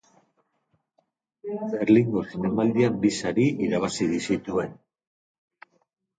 Berlingo Zinemaldian bi sari irabazi zituen.